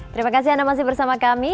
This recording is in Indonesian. terima kasih anda masih bersama kami